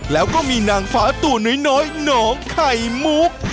แล้วก็มีนางฟ้าตัวน้อยหนองไข่มุก